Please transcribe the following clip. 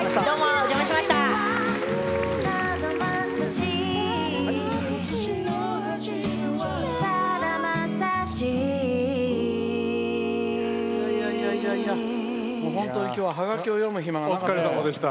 お邪魔しました。